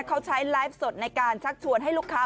เขาใช้ไลฟ์สดในการชักชวนให้ลูกค้า